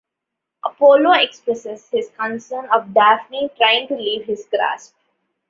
Apollo expresses his concern of Daphne trying to leave his grasp.